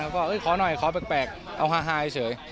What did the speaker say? ก็ขอหน่อยขอแปลกเอาฮาเฉย